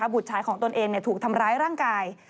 บุตรชายของตนเองถูกทำร้ายร่างกาย